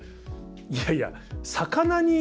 いやいや魚に。